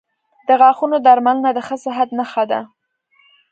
• د غاښونو درملنه د ښه صحت نښه ده.